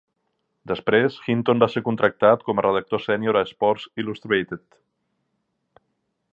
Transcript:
Després, Hinton va ser contractat com a redactor sènior a "Sports Illustrated".